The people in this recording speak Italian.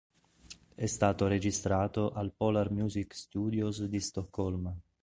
È stato registrato al Polar Music Studios di Stoccolma.